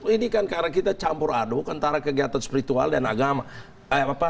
ini kan karena kita campur aduk antara kegiatan spiritual dan agama